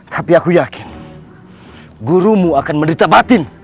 tapi aku yakin gurumu akan menderita batin